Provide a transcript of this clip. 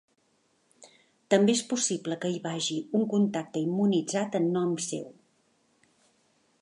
També és possible que hi vagi un contacte immunitzat en nom seu.